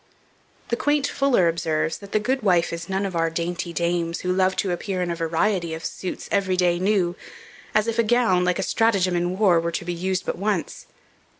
The quaint Fuller observes, that the good wife is none of our dainty dames, who love to appear in a variety of suits every day new, as if a gown, like a stratagem in war, were to be used but once.